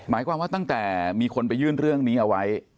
หมายความว่าตั้งแต่มีคนไปยื่นเรื่องนี้เอาไว้